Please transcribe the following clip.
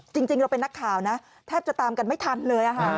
จริงเราเป็นนักข่าวนะแทบจะตามกันไม่ทันเลย